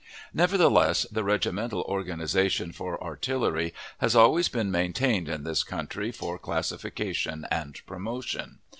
Nevertheless, the regimental organization for artillery has always been maintained in this country for classification and promotion.